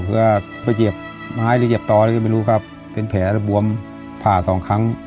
เขาไปเย็บไม้หรือเย็บตอไม่รู้ครับเป็นแผลและบวมผ่า๒ครั้ง